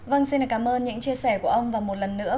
vâng xin cảm ơn những chia sẻ của ông và một lần nữa